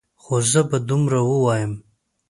خو زه به دومره ووایم.